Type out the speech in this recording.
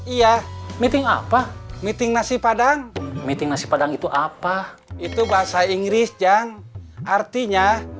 iya meeting apa meeting nasi padang meeting nasi padang itu apa itu bahasa inggris yang artinya